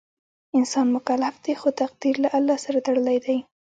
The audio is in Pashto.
انسان مکلف دی خو تقدیر له الله سره تړلی دی.